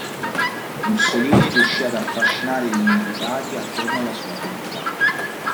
Mussolini riuscì ad affascinare gli invitati attorno alla sua figura.